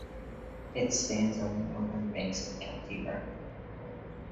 It stands on the northern banks of Kelty Burn.